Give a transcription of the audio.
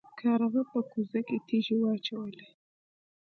کارغه په کوزه کې تیږې واچولې.